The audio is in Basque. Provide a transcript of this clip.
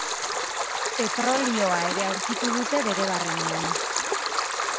Petrolioa ere aurkitu dute bere barrenean.